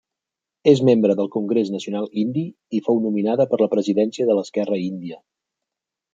És membre del Congrés Nacional Indi i fou nominada per la presidència de l'esquerra Índia.